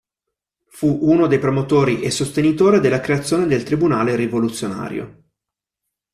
Fu uno dei promotori e sostenitore della creazione del Tribunale rivoluzionario.